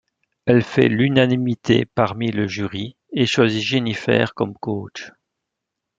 Elle fait l'unanimité parmi le jury et choisit Jenifer comme coach.